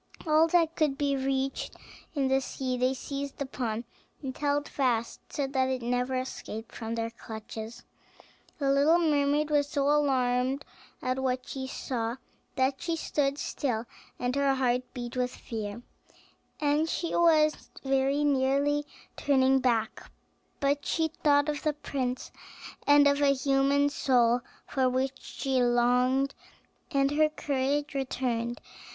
All that could be reached in the sea they seized upon, and held fast, so that it never escaped from their clutches. The little mermaid was so alarmed at what she saw, that she stood still, and her heart beat with fear, and she was very nearly turning back; but she thought of the prince, and of the human soul for which she longed, and her courage returned.